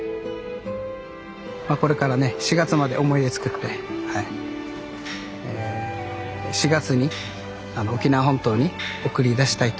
まあこれからね４月まで思い出作って４月に沖縄本島に送り出したいと思いますね。